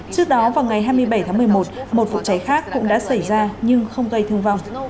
trước đó vào ngày hai mươi bảy tháng một mươi một một vụ cháy khác cũng đã xảy ra nhưng không gây thương vong